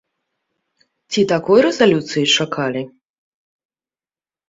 Ці такой рэзалюцыі чакалі?